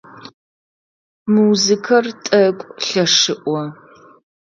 Музыкэр тӏэкӏу лъэшыӏо.